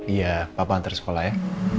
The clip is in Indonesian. iya papa antar sekolah ya